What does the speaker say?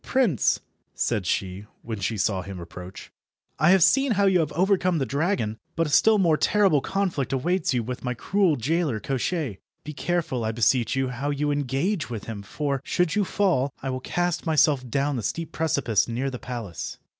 "Prince," said she, when she saw him approach, "I have seen how you have overcome the dragon, but a still more terrible conflict awaits you with my cruel jailer, Koshchei. Be careful, I beseech you, how you engage with him, for, should you fall, I will cast myself down the steep precipice near the palace."